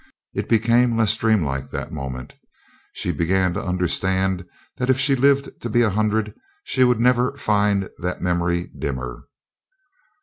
It became less dreamlike that moment. She began to understand that if she lived to be a hundred, she would never find that memory dimmer.